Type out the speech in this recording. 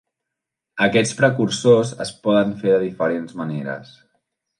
Aquests precursors es poden fer de diferents maneres.